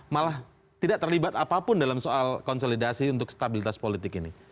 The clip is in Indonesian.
malah tidak terlibat apapun dalam soal konsolidasi untuk stabilitas politik ini